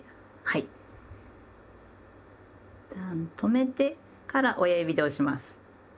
いったん止めてから親指で押します。